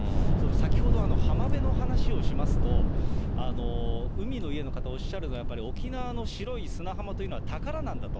先ほど浜辺の話をしますと、海の家の方、おっしゃるのは、やっぱり沖縄の白い砂浜というのは宝なんだと。